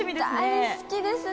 大好きですね。